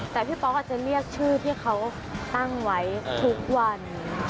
แต่พี่ป๊อกอาจจะเรียกชื่อที่เขาตั้งไว้ทุกวัน